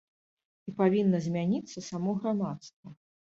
І павінна змяніцца само грамадства.